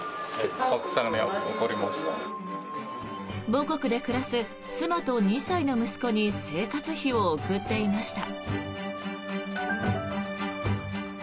母国で暮らす妻と２歳の息子に生活費を送っていました。